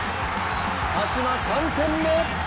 鹿島３点目！